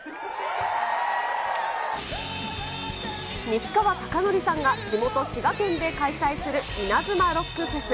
西川貴教さんが地元、滋賀県で開催するイナズマロックフェス。